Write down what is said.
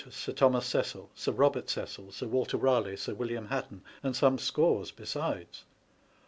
Sir Thomas Cecill, Sir Eobert Cecill, Sir Walter Baleigh, Sir William Hatton," and some scores besides.